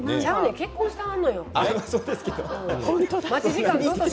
結婚してはるのよ。